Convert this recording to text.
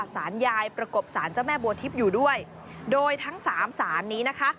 สารยายประกบสารเจ้าแม่บัวทิพย์อยู่ด้วยโดยทั้งสามสารนี้นะคะ